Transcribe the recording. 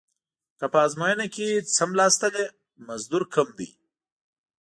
که په ازموینه کې څملاستلې مزدور کوم دې.